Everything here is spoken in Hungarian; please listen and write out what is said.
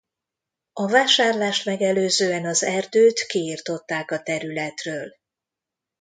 A vásárlást megelőzően az erdőt kiirtották a területről.